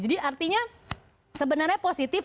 jadi artinya sebenarnya positif